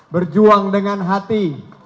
berjuang dengan hati